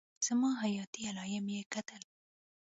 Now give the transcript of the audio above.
زما حياتي علايم يې کتل.